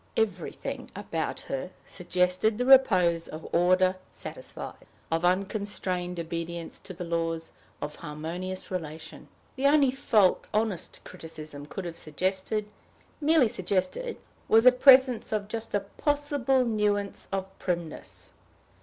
Everything about her suggested the repose of order satisfied, of unconstrained obedience to the laws of harmonious relation. The only fault honest criticism could have suggested, merely suggested, was the presence of just a possible nuance of primness.